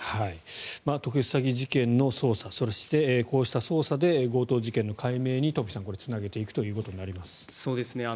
特殊詐欺事件の捜査そして、こうした捜査で強盗事件の解明につなげていくということになります。